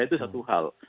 itu satu hal